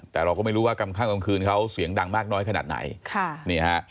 แต่เราก็ไม่รู้ว่ากำข้างกลางคืนเขาเสียงดังมากน้อยขนาดไหนค่ะนี่ฮะ